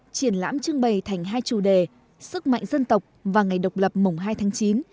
triển lãm trưng bày thành hai chủ đề sức mạnh dân tộc và ngày độc lập mùng hai tháng chín